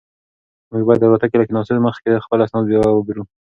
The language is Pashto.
موږ باید د الوتکې له کښېناستو مخکې خپل اسناد بیا وګورو.